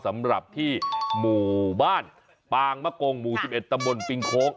สำหรับที่หมู่บ้านปางมะกงหมู่๑๑ตำบลปิงโค้ง